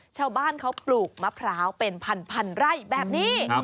ชาวบ้านเขาปลูกมะพร้าวเป็นพันไร่แบบนี้